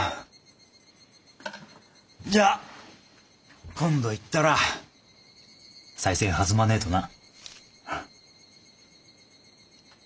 じゃあ今度行ったらさい銭はずまねえとな。